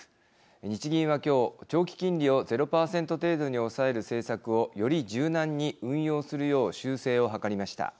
日銀は今日長期金利を０％程度に抑える政策をより柔軟に運用するよう修正を図りました。